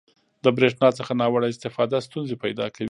• د برېښنا څخه ناوړه استفاده ستونزې پیدا کوي.